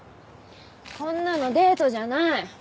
こんなのデートじゃない。